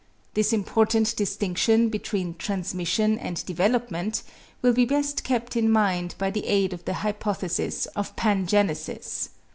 This important distinction between transmission and development will be best kept in mind by the aid of the hypothesis of pangenesis.